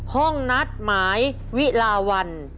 ห้องนัดหมายวิลาวัน